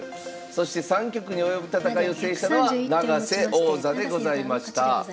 そして３局に及ぶ戦いを制したのは永瀬王座でございました。